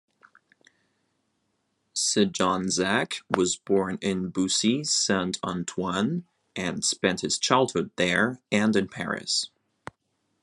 Segonzac was born in Boussy-Saint-Antoine and spent his childhood there and in Paris.